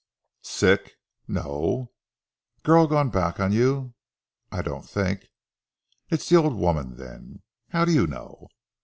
"Sick?" "No." "Girl gone back on you?" "I don't think." "It's the old woman, then?" "How do you know?"